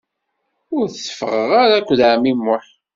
Ur teffɣeɣ ara akked ɛemmi Muḥ.